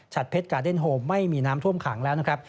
เพชรกาเดนโฮมไม่มีน้ำท่วมขังแล้วนะครับ